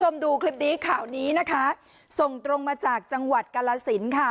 ดูคลิปนี้ข่าวนี้นะคะส่งตรงมาจากจังหวัดกาลสินค่ะ